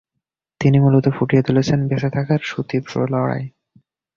তিনি মূলত ফুটিয়ে তুলেছেন বেঁচে থাকার সুতীব্র লড়াই।